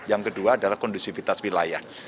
yang kedua adalah kondusivitas wilayah